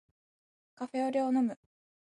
カフェオレを飲む